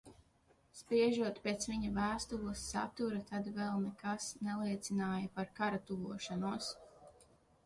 Spriežot pēc viņa vēstules satura, tad vēl nekas neliecināja par kara tuvošanos.